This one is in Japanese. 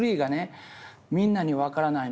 みんなには分からないのよと。